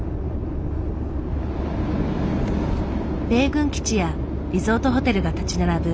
米軍基地やリゾートホテルが立ち並ぶ